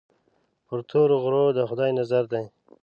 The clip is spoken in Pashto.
پر تورو غرو د خدای نظر دی.